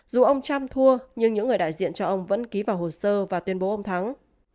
dù ông trump thua nhưng những người đại diện cho ông vẫn ký vào hồ sơ và tuyên bố ông thắng